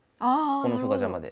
この歩が邪魔で。